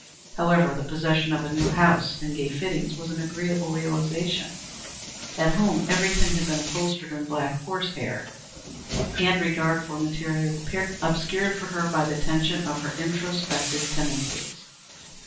However, the possession of a new house and gay fittings was an agreeable realization. At home everything had been upholstered in black horse hair, and regard for material appearances had been obscured for her by the tension of her introspective tendencies.